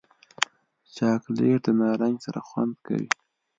چاکلېټ د نارنج سره خوند کوي.